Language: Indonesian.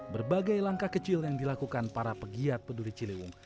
berbagai langkah kecil yang dilakukan para pegiat peduli ciliwung